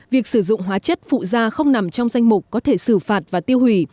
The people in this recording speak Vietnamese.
việc sử dụng hóa chất phụ da không nằm trong danh mục có thể xử phạt và tiêu hủy